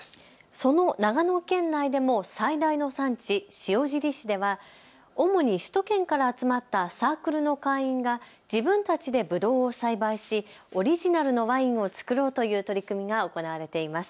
その長野県内でも最大の産地、塩尻市では主に首都圏から集まったサークルの会員が自分たちでぶどうを栽培しオリジナルのワインを造ろうという取り組みが行われています。